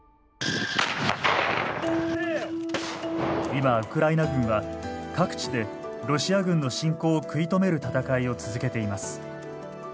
今ウクライナ軍は各地でロシア軍の侵攻を食い止める戦いを続けています。